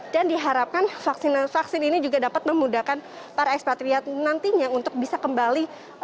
dan diharapkan vaksin ini juga dapat memudahkan para ekspatriat nantinya untuk bisa kembali